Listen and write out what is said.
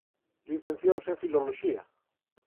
Licenciouse en filoloxía.